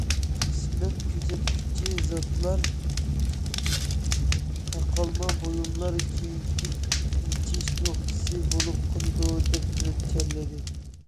قىسمەن كۆزەتكۈچى زاتلار تاقالما بۇيۇملار كېيىنكى ئېشىش نۇقتىسى بولۇپ قالىدۇ دەپ مۆلچەرلىدى.